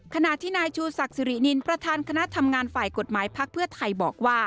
ขณะที่นายชู่สักษรินินพระทานคณะดรฝ่ายกฎหมายผักเพื่อไทยบอกว่า